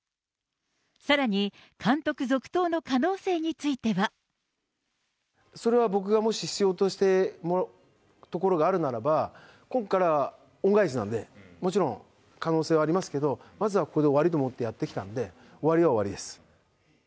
さらに、監督続投の可能性については。それは僕がもし必要としてるところがあるならば、ここからは恩返しなんで、もちろん可能性はありますけど、まずはここで終わりと思ってやってきたんで、終わりは終わりです。